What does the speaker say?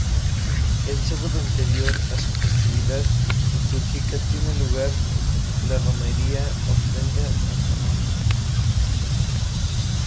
El sábado anterior a su festividad litúrgica tiene lugar la romería-ofrenda en su honor.